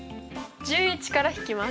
１１から引きます！